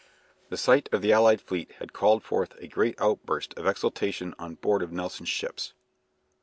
The sight of the allied fleet had called forth a great outburst of exultation on board of Nelson's ships.